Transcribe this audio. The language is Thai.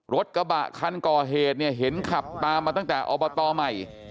รถกระบะคันก่อเหตุเนี่ยเห็นขับตามมาตั้งแต่อบตใหม่